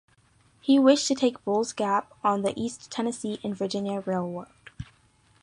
He wished to take Bulls Gap on the East Tennessee and Virginia Railroad.